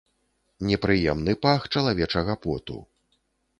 Непрыемны пах чалавечага поту.